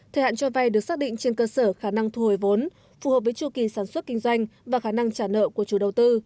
thời hạn cho vay được xác định trên cơ sở khả năng thu hồi vốn phù hợp với chu kỳ sản xuất kinh doanh và khả năng trả nợ của chủ đầu tư